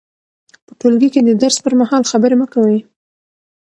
په ټولګي کې د درس پر مهال خبرې مه کوئ.